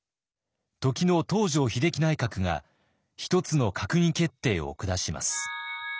時の東條英機内閣が一つの閣議決定を下します。